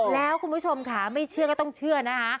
แล้วคุณผู้ชมค่ะไม่เชื่อก็ต้องเชื่อนะคะ